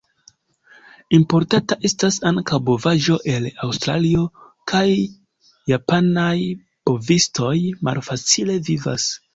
Importata estas ankaŭ bovaĵo el Aŭstralio, kaj japanaj bovistoj malfacile vivas.